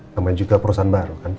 sama juga perusahaan baru kan